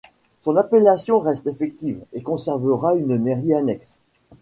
Son appellation reste effective, et conservera une mairie annexe.